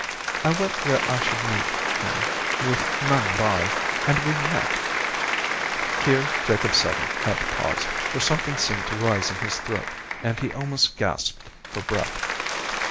I went where I should meet him with none by, and we met!" Here Jacob Settle had to pause, for something seemed to rise in his throat, and he almost gasped for breath.